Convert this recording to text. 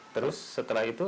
terus setelah itu